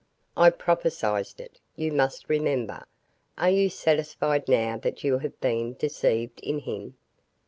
"I prophesied it, you must remember. Are you satisfied now that you have been deceived in him?"